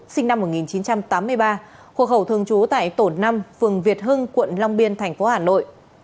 sinh năm một nghìn chín trăm tám mươi ba hộ khẩu thường trú tại tổ năm phường việt hưng quận long biên thành phố hà nội